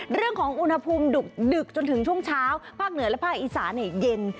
เรื่องของอุณหภูมิดึกจนถึงช่วงเช้าภาคเหนือและภาคอีสานเย็น